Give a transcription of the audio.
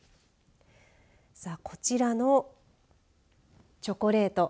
さあ、こちらのチョコレート。